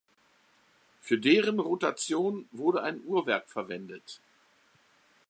Für deren Rotation wurde ein Uhrwerk verwendet.